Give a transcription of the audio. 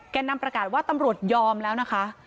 นำประกาศว่าตำรวจยอมแล้วนะคะ